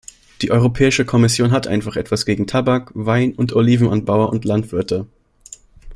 Die Europäische Kommission hat einfach etwas gegen Tabak-, Wein- und Olivenanbauer und Landwirte.